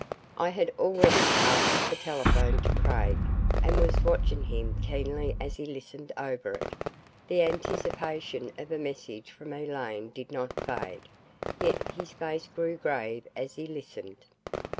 I had already passed the telephone to Craig and was watching him keenly as he listened over it. The anticipation of a message from Elaine did not fade, yet his face grew grave as he listened.